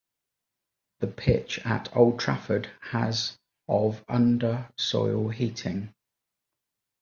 The pitch at Old Trafford has of under-soil heating.